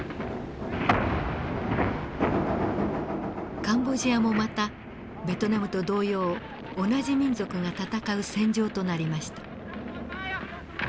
カンボジアもまたベトナムと同様同じ民族が戦う戦場となりました。